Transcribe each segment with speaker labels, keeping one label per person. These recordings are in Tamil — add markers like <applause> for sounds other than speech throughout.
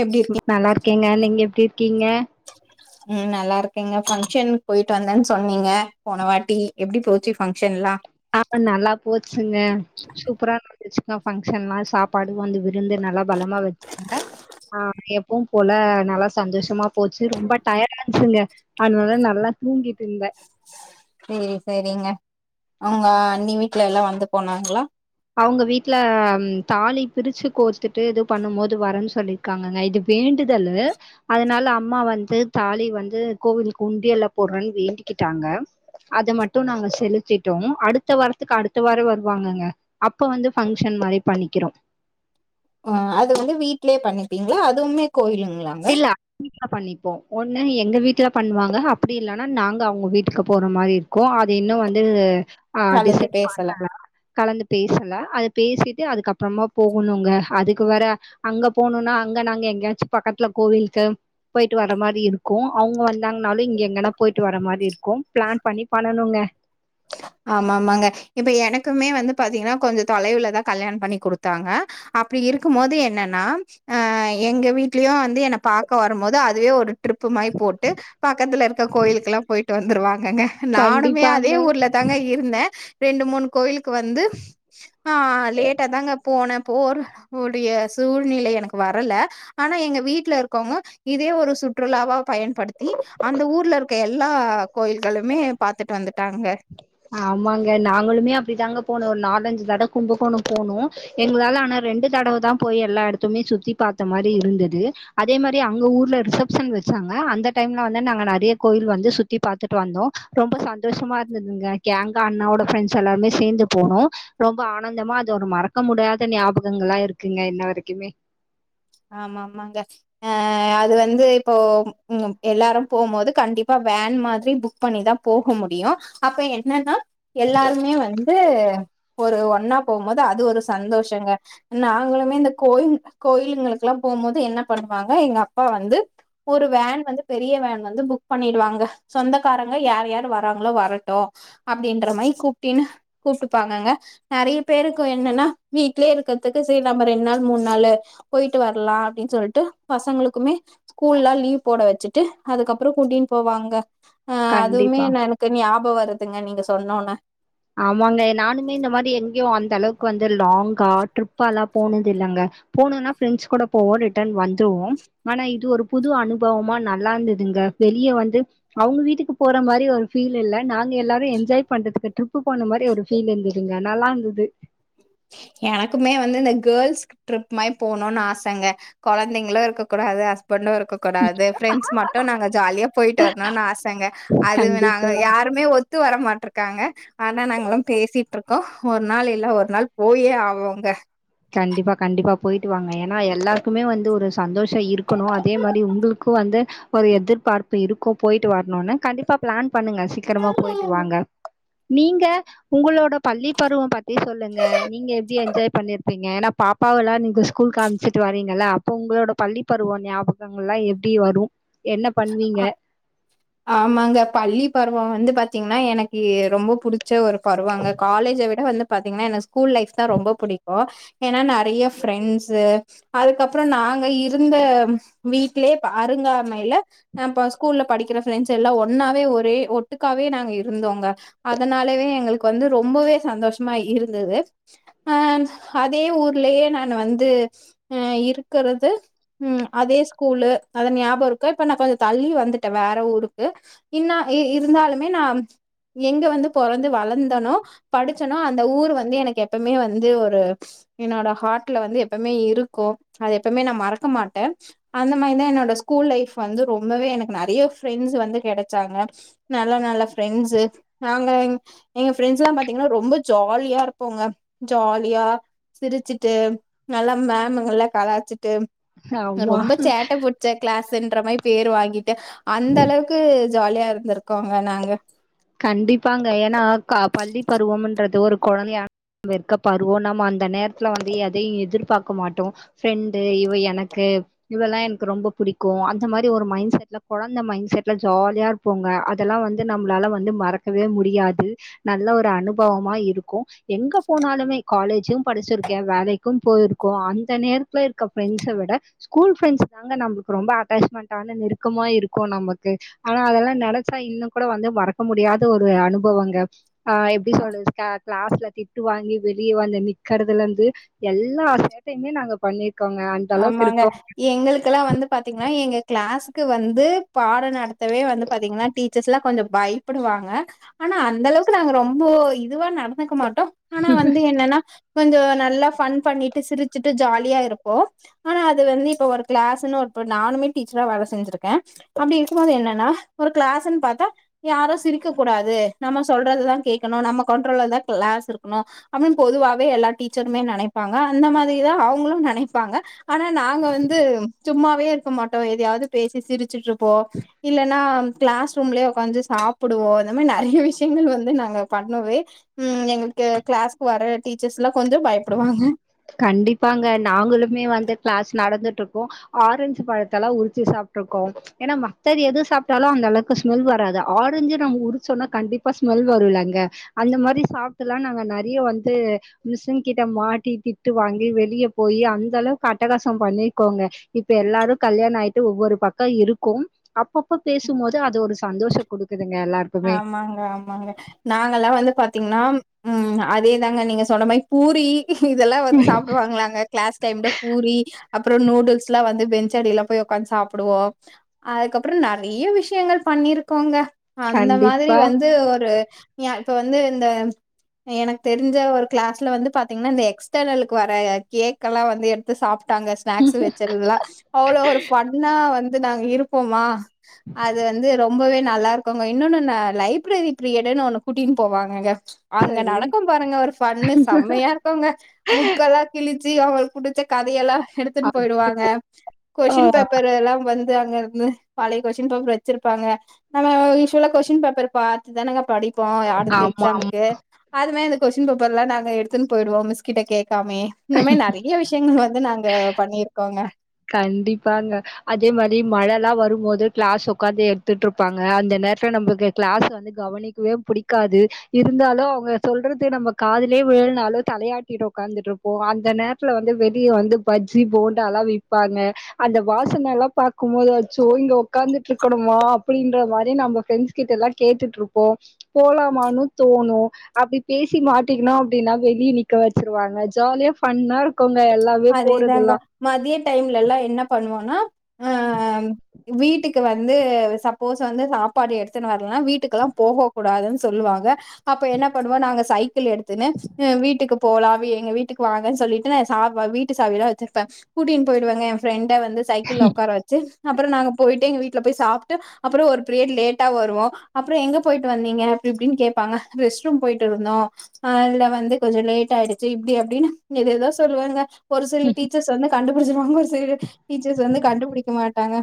Speaker 1: எப்டி இருக்கீங்
Speaker 2: நல்லா இருக்கேங்க நீங்க எப்டி இருக்கீங்க
Speaker 1: உம் நல்லா இருக்கேங்க ஃபங்க்ஷன் போயிட்டு வந்தேன்னு சொன்னீங்க போன வாட்டி எப்டி போச்சு ஃபங்க்ஷன்லாம்
Speaker 2: ஆஹ் நல்லா போச்சுங்க சூப்பரா நடந்துச்சு ஃபங்க்ஷன்லாம் சாப்பாடு வந்து விருந்து நல்லா பலமாக வச்சாங்க எப்பவும் போல நல்லா சந்தோஷமா போச்சு ரொம்ப டையடா இருந்ச்சுங்க அதனால நல்லா தூங்கிட்டு இருந்தேன்
Speaker 1: ஓ சரி சரிங்க ஒங்க அன்னி வீட்டுல எல்லாம் வந்து போனாங்களா
Speaker 2: அவுங்க வீட்ல தாலி பிரிச்சு கோர்த்துட்டு இது பண்ணும் போது வரேன்னு சொல்லிருக்காங்கங்க இது வேண்டுதலு அதனால அம்மா வந்து தாலி வந்து கோவிலுக்கு உண்டியல்ல போடுறேன்னு வேண்டிக்கிட்டாங்க அத மட்டும் நாங்க செலுத்திட்டோம் அடுத்த வாரத்துக்கு அடுத்த வாரம் வருவாங்கங்க அப்ப வந்து பஃங்க்ஷன் மாரி பண்ணிக்கிறோம்
Speaker 1: ஆஹ் அது வந்து வீட்லயே பண்ணிப்பீங்களா அதுவுமே கோயிலுங்களாங்க
Speaker 2: இல்ல வீட்ல பண்ணி ஒண்ணு எங்க வீட்ல பண்ணுவாங்க அப்டி இல்லனா நாங்க அவுங்க வீட்டுக்கு போற மாரி இருக்கும் அது இன்னும் வந்து ஆஹ்
Speaker 1: கலந்து
Speaker 2: டிசைன்
Speaker 1: பேசல
Speaker 2: பண்ணல கலந்து பேசுங்க அத பேசிட்டு அதுக்கப்றமா போகணுங்க அதுக்கு வேற அங்க போணும்னா அங்க நாங்க எங்கேயாச்சும் பக்கத்துல கோவிலுக்கு போயிட்டு வர மாரி இருக்கும் அவுங்க வந்தாங்கன்னாலும் இங்க எங்கன்னா போயிட்டு வர மாரி இருக்கும் பிளான் பண்ணி பண்ணனுங்க
Speaker 1: ஆமாமாங்க இப்ப எனக்குமே வந்து பாத்தீங்கன்னா கொஞ்சம் தொலைவுலதா கல்யாணம் பண்ணி கொடுத்தாங்க அப்டி இருக்கும் போது என்னன்னா அஹ் எங்க வீட்லயு வந்து என்ன பாக்க வரும் போது அதுவே ஒரு ட்ரிப்பு மாரி போட்டு பக்கத்துல இருக்க கோயிலுக்கெல்லாம் போயிட்டு வந்துருவாங்க <unintelligible> நானுமே அது
Speaker 2: கண்டிப்பாங்க
Speaker 1: அதே ஊர்ல தாங்க இருந்தேன் ரெண்டு மூணு கோயிலுக்கு வந்து ஆஹ் லேட்டா தாங்க போனே போர கூடிய சூழ்நிலை எனக்கு வரல ஆனா எங்க வீட்ல இருக்கவுங்க இதே ஒரு சுற்றுலாவா பயன்படுத்தி அந்த ஊர்ல இருக்க எல்லா கோயில்களுமே பாத்துட்டு வந்துடு தாங்க
Speaker 2: ஆமாங்க நாங்களுமே அப்டிதாங்க போனோம் ஒரு நாலஞ்சு தடவ கும்பகோணம் போனோம் எங்களால ஆனா ரெண்டு தடவை தான் போய் எல்லா இடத்துமே சுத்தி பாத்த மாரி இருந்தது அதே மாரி அங்க ஊர்ல ரிசப்ஷன் வச்சாங்க அந்த டைம்ல வந்து நாங்க நெறைய கோயில் வந்து சுத்தி பாத்துட்டு வந்தோம் ரொம்ப சந்தோஷமா இருந்ததுங்க கேங்கா அண்ணாவோட ஃப்ரெண்ட்ஸ் எல்லாருமே சேந்து போனோம் ரொம்ப ஆனந்தமா அது ஒரு மறக்க முடியாத ஞாபகங்களா இருக்குங்க இன்ன வரைக்குமே
Speaker 1: ஆமா ஆமாங்க ஆஹ் அது வந்து இப்போ எல்லாரும் போம்போது கண்டிப்பா வேன் மாதிரி புக் பண்ணிதான் போக முடியும் அப்ப என்னன்னா எல்லாருமே வந்து ஒரு ஒன்னா போகும் போது அது ஒரு சந்தோஷங்க நாங்களுமே இந்த கோய கோயிலுங்களுக்கு <unintelligible> போம்போது என்ன பண்ணுவாங்க எங்க அப்பா வந்து ஒரு வேன் வந்து பெரிய வேன் வந்து புக் பண்ணடுவாங்க சொந்தக்காரங்க யார் யார் வராங்களோ வரட்டும் அப்டின்ற மாரி கூப்டினு கூப்ட்டுப்பாங்கங்க நெறைய பேருக்கு என்னன்னா வீட்லயே இருக்குறதுக்கு செரி நம்ம ரெண்டு நாளு, மூணு நாளு போய் ட்டு வரலாம் அப்டின்னு சொல்ட்டு பசங்களுக்குமே ஸ்கூல்லாம் லீவ் போட வச்சுட்டு அதுக்கப்பறம் கூட்டின்னு போவாங்க அஹ் அதுவுமே
Speaker 2: கண்டிப்பா
Speaker 1: என எனக்கு ஞாபகம் துங்க நீங்க சொன்னோனா
Speaker 2: ஆமாங்க நானுமே இந்த மாதிரி எங்கேயோ அந்த அளவுக்கு வந்து லாங்கா ட்ரிப்பல்லாம் போனது இல்லைங்க போனும்னா ரெண்ட்ஸ் கூட போவோம் ரிட்டர்ன் வந்துவோம் ஆனா இது ஒரு புது அனுபவமா நல்லா இருந்ததுங்க வெளியே வந்து அவங்க வீட்டுக்கு போற மாதிரி ஒரு ஃபீல் இல் நாங்க எல்லாரும் என்ஜாய் பண்றதுக்கு ட்ரிப்பு போன மாதிரி ஒரு ஃபீல் இருழுந்துடுங்க நல்லா இருந்தது
Speaker 1: எனக்குமே வந்து இந்த கேர்ள்ஸ் ட்ரிப் மாதிரி போகணும்ன்னனு ஆசைங்க குழந்தைங்களும் இருக்க கூடாது ண்டு இருக்க கூடாது பிரன்ட்ஸ் மட்டும் நாங்க ஜாலியா போயிட்டு வரணும்னு ஆசைங்க அது நாங்க
Speaker 2: கண்டிப்பா
Speaker 1: யாருமே ஒத்து வர மாட்ட இருக்காங்க ஆனா நாங்களும் பேசிட்டு இருக்கோம் ஒரு நாள் இல்ல ஒரு நாள் போயே ஆவோங்க
Speaker 2: கண்டிப்பா கண்டிப்பா போயிட்டு வாாங்க ஏன்னா எல்லாருக்குமே வந்து ஒரு சந்தோஷம் இருக்கணும் அதே மாதிரி உங்களுக்கும் வந்து ஒரு எதிர்பார்ப்பு இருக்கும் போயிட்டு வரணும்னு கண்டிப்பா பிளான் பண்ணுங்க சீக்கிரமா போயிட்டு வாங்க நீங்க உங்களோட பள்ளி பருவம் பத்தி சொல்லுங்க நீங்க எப்படி என்ஜாய் பண்ணிரு அப்பங்க ஏன்னா பாப்பாவ எல்லாம் நீங்க ஸ்கூல்க்கு காமிச்சுட்டு வரீங்க அப்போ உங்களோட பள்ளி பருவம் ஞாபகங்கள் எல்லாம் எப்படி வரும்
Speaker 1: ஆமாங்க பள்ளி பருவம் வந்து பாத்தீங்கன்னா எனக்கு ரொம்ப புடி செ ஒரு பருவாங்க காலேஜை விட வந்து பாார்த்தீங்கன்னா எனக்கு ஸ்கூல் லைஃப் தான் ரொம்ப பிடிக்கும் ஏன்னா நிறைய ஃப்ரெண்ட்ஸு அதுக்கப்புறம் நாங்க இருந்த வீட்டிலயே அருங்காமையையில ஹ இப்ப ஸ்கூல்ல படிக்கிற ஃப்ரெண்ட்ஸ் எல்லாம் ஒன்னாவே ஒரே ஒட்டுக்காவே நாங்க இருந்தோங்க அதனாலவே எங்கள் வந்து ரொம்பவே சந்தோஷமா இருந்தது ஹ அதே ஊர்லேயே நான் வந்து இருக்கிறது அதே ஸ்கூலு அத ஞாபகம் இருக்க நான் கொஞ்சம் தள்ளி வந்துட்டேன் வேற ஊருக்குன்ன இருந்தாலுமே நான் எங்க வந்து பொறந்து வளர்ந்தனு படிச்சனும் அந்த ஊர் வந்து எனக்கு எப்பவுமே வந்து ஒரு என்னோட ஹார்ட்ல வந்து எப்பவுமே இருக்கும் அது எப்பவுமே நான் மறக்க மாட்டேன் அந்த மாதிரிதான் என்னோட ஸ்கூல் லைப் வந்து ரொம்பவே எனக்கு நிறைய ஃப்ரண்ட்ஸ் வந்து கிடைச்சாங்க நல்லா நல்ல ப்ரெண்ட்ஸ்ு நாங்க எங்க ஃரெண்ட்ஸ் எல்லாம் பா்த்தீங்கன்னா ரொம்ப ஜாலியா இருப்போங்க ஜாலியா சிரிச்சுட்டு நல்லா மேமங்கல்ல கலாச்சிட்டு
Speaker 2: ஆமா
Speaker 1: ரொம்ப சேட்டை புடிச்ச கிளாஸ் ற்றமை பேரு வாங்கிட்டு அந்த அளவுக்கு ஜாலியா இருந்திருக்கோங்க நாங்க
Speaker 2: கண்டிப்பாங்க கொழந்தையா <inaudible> பருவோ நம்ம அந்த நேரத்துல வந்து எதையு எதிர்பார்க்க மாட்டோ ஃப்ரெண்டு இவ எனக்கு இவெல்லா எனக்கு ரொம்ப பிடிக்கு அந்த மாரி ஒரு மைண்ட் செட்ல கொழந்த மைண்ட் செட்ல ஜாலியா இருப்போங்க அதெல்லா வந்து நம்மளால வந்து மறக்கவே முடியாது நல்ல ஒரு அனுபவமா இருக்கும் எங்க போனாலுமே காலேஜும் படிச்சிருக்கே வேலைக்கும் போயிருக்கு அந்த நேரத் ப்ப இருக்க ஃப்ரெண்ட்ஸ விட ஸ்கூல் ஃப்ரெண்ட்ஸ் தாங்க நம்ம ரொம்ப அட்டாச்மெண்டான நெருக்கமா இருக்கு நமக்கு ஆனா அதெல்லா நெனச்சா இன்னு கூட வந்து மற இருக்க முடியாத ஒரு அனுபவங்க ஆ எப்படி சொல்லு க க்ளாஸ்ல திட்டு வாங்கி வெளிய வந்து நிக்கறதுல இருந்து எல்லா சேட்டையுமே நாங்க பண்ணி
Speaker 1: ஆமாங்க எங்களுக்கெல்லா வந்து பாத்தீங்கன்னா எங்க க்ளாஸ் கு வந்து பாடம் நடத்தவே வந்து பாத்தீங்கன்னா டீச்சர்ஸ்லா கொஞ்சம் பயப்படுவாங்க ஆனா அந்த அளவுக்கு நாங்க ரொம்ப இதுவா நடந்துக்க மாட் டோ ஆனா வந்து என்னன்னா கொஞ்ச நல்லா ஃபன் பண்ணிட் டு சிரிச்சுட்டு ஜாலியா இருக் போ ஆனா அது வந்து இப்ப ஒரு க்ளாஸ்ன்னு ஒரு நானுமே டீச்சரா வேலை செஞ்சிருக்கே அப்படி இருக்கும் போது என்னன்னா ஒரு க்ளாஸ்ன்னு பாத்தா யாரு சிரிக்கக் கூடாது நம்ம சொல்றதுதா கேட்கணு நம்ம கண்ட்ரோலதா க்ளாஸ் இருக்கணு அப்படின்னு பொதுவாவே எல்லா டீச்சருமே நெனைப்பாங்க அந்த மாதிரிதா அவங்களு நெனைப் ப்பாங்க ஆனா நாங்க வந்து சும்மாவே இருக்க மாட்டோ எதாயவது பேசி சிரிச்சுட்டு இருப்போ இல்லைன்னா க்ளாஸ் ரூம்லயே உக்காந்து சாப்பிடுவோம் இந்த மாரி நிறைய விஷயங்கள் வந்து நாங்க பண்ணவெ எங்களுக்கு க்ளாஸ்க்கு வர டீச்சர்ஸ்
Speaker 2: கண்டிப்பாங்க நாங்களும் மே வந்து கிளாஸ் நடந்துட்டு இருக்கு ஆரஞ்சு பழத்தெல்லா உரிச்சு சாப்ட்ருக்கோ ஏனா மத்தது எது சாப்ட்டாலு அந்த அளவுக்கு ஸ்மெல் வராது ஆரஞ்சு நம்ம உரிச்சோன்னா கண்டிப்பா ஸ்மெல் வருல்லங்க அந்த மாரி சாப்ட்டெல்லா நாங்க நெறைய வந்து மிஸ்ங் கிட்ட மாட்டி திட்டு வாங்கி வெளியே போய் அந்த அளவுக்கு அட்டகாசம் பண்ணிக்கோங்க இப்ப எல்லாரு கல்யாண ஆயிட்டு ஒவ்வொரு பக்க இருக்கோம் அப்பப்ப பேசும் போது அது ஒரு சந்தோஷ குடுக்
Speaker 1: ஆமாங்க ஆமாங்க நாங்கலா வந்து பாத்தீங்ன்னா உம் அதேதாங்க நீங்க சொன்ன மாரி பூரி இதெல்லா வந்து சாப்டுவாங்கலாங்க கிளாஸ் டைம்ல பூரி அப்பறொ நூடுல்ஸ்ல்லா வந்து பெஞ்சடிலாம் போய் உக்காந்து சாப்புடுவோ அதுக்கப்பறம் நெறைய விஷயங்கள் பண்ணிருக்கோங்க அந்த மாதிரி
Speaker 2: கண்டிப்பா.
Speaker 1: வந்து ஒரு எ இப்ப வந்து இந்த எனக்கு தெரிஞ்ச ஒரு கிளாஸ்ல வந்து பாத்தீங்ன்னா இந்த எக்ஸ்டர்னலுக்கு வர கேக்கெல்லா வந்து எடுத்து சாப் ட்டாங்க ஸ்னாக்ஸ் வச்சதுலா அவ்வளோ ஒரு ஃபன்னா வந்து ந்து நாங்க இருப்போமா அது வந்து ரொம் ம்பவே நல்லாருக் குங்க இன்னோன்னு என்ன லைப்ரரி பிரியடுன்னு ஒன்னு கூட்டின் போவாங்கங்க அங்க
Speaker 2: சரி.
Speaker 1: நடக்கும் பாருங்க ஒரு ஃபன்னு செம்மையா இருக்குங்க புக்கெல்லா கிழிச் சி அவ்ங்ளுக்கு புடிச்ச கதையெல்லா எடுத்துன்னு
Speaker 2: அடுத்து
Speaker 1: போயிடுவாங்க
Speaker 2: ஆ
Speaker 1: கொஸின் பேப்பரெல்லா வந் து அங்க இருந்து பழைய கொஸ்டின் பேப்பர் வச்சிருப்பாங்க <unintelligible> யூஷ்வலா கொஸ்ன் பேப்பரு பாத்து தானங்க படிப் போ அடுத்த
Speaker 2: ஆமா.
Speaker 1: எக்ஸாமுக்கு அதுமே இந்த கொஸின் பேப்பருல நாங்க எடுத்துன் போய்டுவோ மிஸ் கிட்ட கேக் கமியே இந்த மாதிரி நிறைய விஷயங்கள் வந்து நாங்க பண்ணிருக்கோங்க
Speaker 2: கண்டிப்பாங்க அதே மாதிரி மழைலா வரும்போது கிளாஸ் உக்காந்து எடுத்துட்டு இருப்பாங்க அந்த நேரத்துல நம்மக்கு கிளாஸ் வந்து கவனிக்கவே புடிக்காது இருந்தாலு அவங்க சொல்றது நம்ம காதலயே விழலனாலு தலையாட்டிட்டு உகாந்துட்டு இருப்போம் அந்த நேரத்துல வந்து வெளிய வந்து பஜ்ஜி போண்டால்லாம் விப் இருப்பாங்க அந்த வாசனை எல்லாம் பாக்கும்போது அச்சோ இங்க உ்காந்துட்டு இருக்கணுமா அப்படின்ற மாதிரி நம்ம பிரண்ட்ஸ் கிட்ட எல்லாம் கேட்டுட்டு இருப்போம் போலாமானு தோணும் அப்படி பேசி மாட்டிக்கணு அப்படின்னா வெளியே நிக்க வச்சிருவாங்க ஜாலியா ஃபன்னா இருக் இருக்கங்க எல்லாமே போறதுல்லாம்
Speaker 1: டைம்லல்லாம் என்ன பண்ணுவோனா அஹ வீட்டுக்கு வந்து சப்போஸ் வந்து சாப்பாடு எடுத்துன்னு வரலனா வீட்டுக்குல்லாம் போக கூடாதுன்னு சொல்லுவாங்க அப்ப என்ன பண்ணுவோம் நாங்க சைக்கிள் எடுத்துன்னு வீட்டுக்கு போலாவி எங்க வீட்டுக்கு வாங்கன்னு சொல்லிட்டு நான் சாப் நான்வீட்டு சாவிலா வச்சிருப்பன் கூட்டின் போயிடுவங்க என் ஃப்ரெண்ட் தெ வந்து சைக்கிள் உக்கார வச்சு அப்புறம் நாங்க போயிட்டு எங்க வீட்டுல போய் சாப்ட்டு அப்புறம் பீரியட் லேட்டா வருவோம் அப்புறம் எங்க போயிட்டு வந்தீங்க அப்படி இப்படின்னு கேட்பாங்க ரெஸ்ட் ரூம் போயிட்டு இருந்தோம் இல்ல வந்து கொஞ்சம் லேட் ஆயிடுச்சு இப்படி அப்படின்னு எததோ சொல்லுவங்க ஒரு சில டீச்சர்ஸ் வந்து கண்டு புடிச்சுருவாங்கனு ஒரு சரி டீச்சர்ஸ் வந்து கண்டுபிடிக்க மாட்டாங்க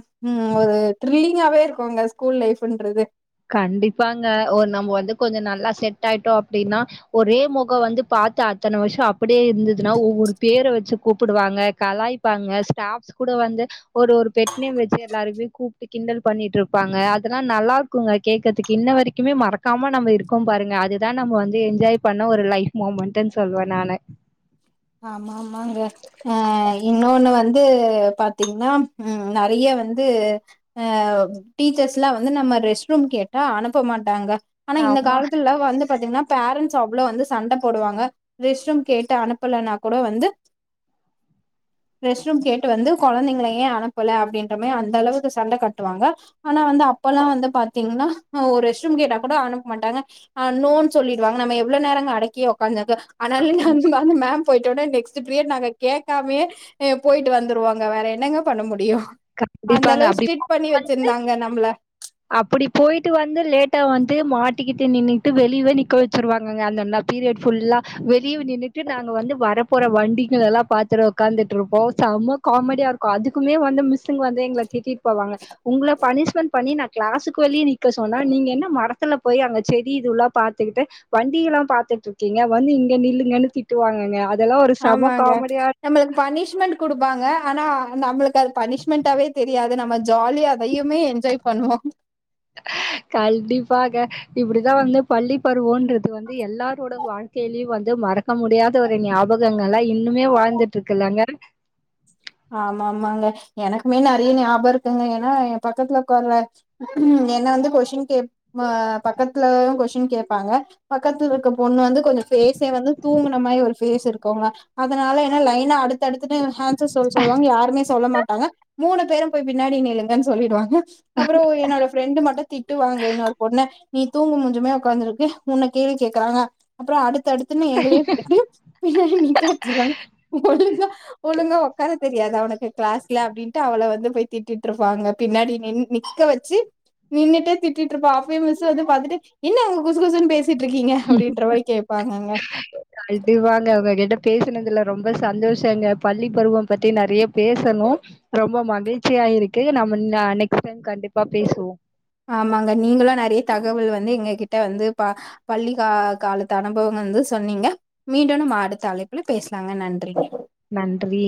Speaker 1: ஒரு த்ரில்லிங்காவே இருக்கும்ங்க ஸ்கூல் லைஃப்ன்றது
Speaker 2: கண்டிப்பாங்க ஒரு நம்ம வந்து கொஞ்ச நல்லா செட் ஆயிட்டோ நா அப்படின்னா ஒரே முகம் வந்து பாத்து அத்தனை வருஷம் அப்படியே இருந்ததுன்னா ஒவ்வொரு பேரை வச்சு கூப்பிடுவாங்க கலாய்பாங்க ஸ்டாப்ஸ் கூட வந்து ஒரு ஒரு பெட் நோம்வச்சு எல்லாருக்குமே கூப்பிட்டு கிண்டல் பண்ணிட்டு இருப்பாங்க அதெல்லா நல்லாருக் இருக்குங்க கேக்றத்துக்கே இன்ன வரைக்குமே மறக்காம நம்ம இருக்கோம் பாருங்க அதுதான் நம்ம வந்து என்ஜாய் பண்ண ஒரு லைஃப் மூமெண்ட்ன்னு சொல்லுவேன் நானு
Speaker 1: ஆமாமாங்க ஆ இன்னொன்னு வந்து பாத்தீங்கன்னா உம் நிறைய வந்து ஆ டீச்சர்ஸ்லா வந்து நம்ம ரெஸ்ட் ரூம் கேட்டா அனுப்ப மாட்டாங்க ஆனா
Speaker 2: ஆமா.
Speaker 1: இந்தக்காலத்துல வந்து பாத்தீங்கன்னா பேரண்ட்ஸ் அவ்வளவு வந்து சண்டை போடுவாங்க ரெஸ்ட் ரூம் கேட்டு அனுப்ப அனுப்பலானக் கூட வந்து ரெஸ்ட் ரூம் கேட்டு வந்து குழந்தைங்கள ஏன் அனுப்பல அப்படின்ற மாதிரி அந்த அளவுக்கு சண்டை கட்டுவாங்க ஆனா வந்து அப்பல்லாம் வந்து பா்த்தீங்கன்னா ஒரு ரெஸ்ட் ரூம் கேட்டா கூட அனுப்ப மாட்டாங்க நோனு சொல்லிடுவாங்க நம்ம எவ்வளோ நேரம் அடக்கியே உக்காந்து ஆனாலுமே வந்துல மேம் போயிட்ட உடனே நெக்ஸ் பீரியட் நாங்க கேட்காமயே போயிட்டு வந்துருவோங்க வேற என்னங்க பண்ண முடியு அந்த
Speaker 2: கண்டிப்பாங்க.
Speaker 1: அளவு ஸ்டிட் பண்ணி
Speaker 2: அப்டி
Speaker 1: வச்சிருந்தாங்க நம்மள
Speaker 2: அப்படி போயிட்டு வந்து லேட்டா வந்து மாட்டிக்கிட்டு நின்னுட்டு வெளியே நிக்க வச்சிருவாங்க அந்த பீரியட் ஃபுல்லா வெளிய நின்னுட்டு நாங்க வந்து வரப்போற வண்டிங்களலாம் பாத்துட்டு உட்காந்துட்டு இருப்போம் செம்ம காமெடியா இருக்கும் அதுக்குமே வந்து மிஸ்ஸிங்க வந்து எங்களை திட்டிட்டு போவாங்க உங்களை பனிஷ்மெண்ட் பண்ணி க்ளாஸுக்கு வெளிய நிக்க சொன்னா நீங்க என்ன மரத்துல போய் அங்க செடி இதுல்லாம் பாத்துக்கிட்டு வண்டி எல்லாம் பாத்துட்டு இருக்கீங்க வந்து இங்க நில்லுங்கன்னு திட்டுவாங்கங்க அதெல்லாம் ஒரு செம
Speaker 1: ஆமாங்க
Speaker 2: காமெடியா
Speaker 1: நம்மளுக்கு பனிஷ்மெண்ட் கொடுக் பாங்க ஆனா நம்மளுக்கு அது பனிஷ்மெண்டாவே தெரியாது நம்ம ஜாலியா அதையுமே என்ஜாய் பண்ணுவோ
Speaker 2: கண்டிப்பாங்க இப்படிதான் வந்து பள்ளி பருவோம் க்கு வந்து எல்லாரோட வாழ்க்கை கேள்வி வந்து மறக்க முடியாத ஒரு ஞாபகங்களா இந்த இன்னுமே வாழ்ந்துட் இருக்குலங்க
Speaker 1: ஆமா ஆமாங்க எனக்குமே நிறைய ஞாபகம் இருக்குங்க ஏன்னா என் பக்கத்துல உக்காருவ என்ன வந்து கொஸ்டின் கே பக்கத்துல கொஸ்டின் கேட்பாங்க பக்கத்துல இருக்க பொண்ணு வந்து கொஞ்சம் பேஸ்ஸே வந்து தூங்கின மாதிரி ஒரு ஃபேஸ் இருக்குங்க அதனால ஏன்னா லைன்னா அடுத்தடுத்துனு சொல் சொல்லுவாங்க யாருமே சொல்ல மாட்டாங்க மூணு பேரும் போய் பின்னாடி நில்லுங்கன்னு சொல்லிடுவாங்க அப்புறம் என்னோட ஃப்ரெண்டு் மட்டும் திட்டு வாங்க இன்னொரு பொண்ண நீ தூங்கும் மூச்சி மாரி உக்காந்துருக்கு உன்ன கேள்வி கேக்குறாங்க அப்புறம் அடுத்து அடுத்து அடுத்துன்னு எங்களையும் கேட்டு நிக்க வச்சுறாங்க ஒழுங்கா ஒழுங்கா என்ன உனக்கு க்ளாஸ்ல அப்படின்னு அவள வந்து திட்டிட்டு இருப்பாங்க பின்னாடி நின் நிக்க வச்சு நிண்டுட்டே திட்டிட்டுயிருப்ப அப்ப மிஸ் வந்து பாத்துட்டு என்ன அங்க வந்து குசு குசுன்னு பேசு
Speaker 2: அது வாங்க அவங்க கிட்ட பேசினதுயில்ல ரொம்ப சந்தோஷங்க பள்ளி பருவம் பத்தி நிறைய பேசணும் ரொம்ப மகிழ்ச்சியா இருக்கு நம்ம நெக்ஸ்ட் டைம் கண்டி.
Speaker 1: ஆமாங்க நீங்களா நெறைய தகவல் வந்து எங்க கிட்ட வந்து ப பள்ளி கா காலத்து அனுபவங்கள் வந்து சொன்னிங்க மீண்டும் நம்ம அடுத்த அழைப்புல பேசலாங்க நன்றிங்க
Speaker 2: நன்றி